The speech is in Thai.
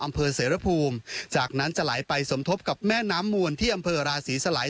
อำเภอเสรภูมิจากนั้นจะไหลไปสมทบกับแม่น้ำมวลที่อำเภอราศีสลัย